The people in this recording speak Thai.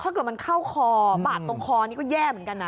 ถ้าเกิดมันเข้าคอบาดตรงคอนี่ก็แย่เหมือนกันนะ